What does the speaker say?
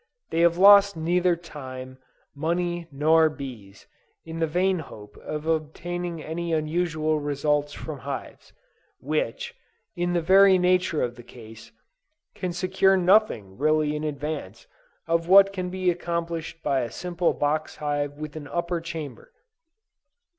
They have lost neither time, money nor bees, in the vain hope of obtaining any unusual results from hives, which, in the very nature of the case, can secure nothing really in advance of what can be accomplished by a simple box hive with an upper chamber.